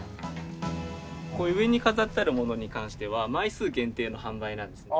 こういう上に飾ってあるものに関しては枚数限定の販売なんですね。